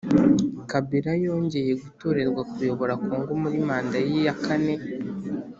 kabila yongeye gutorerwa kuyobora congo muri manda ye ya kane